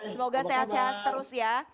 semoga sehat sehat terus ya